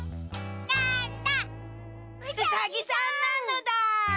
なんだ？